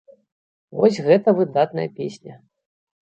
Вось гэта выдатная песня.